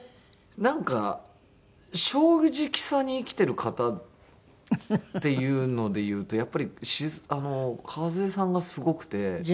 なんか正直さに生きてる方っていうのでいうとやっぱり和枝さんがすごくて。